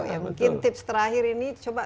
ya mungkin tips terakhir ini coba